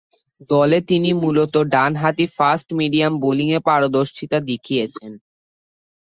দলে তিনি মূলতঃ ডানহাতি ফাস্ট-মিডিয়াম বোলিংয়ে পারদর্শীতা দেখিয়েছেন।